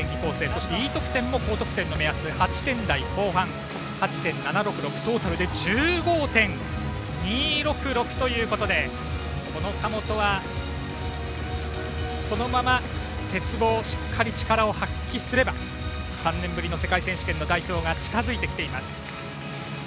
そしてＥ得点も高得点の目安８点台後半８．７６６でトータルで１５．２６６と神本はこのまま鉄棒でしっかり力を発揮すれば３年ぶりの世界選手権の代表が近づいてきます。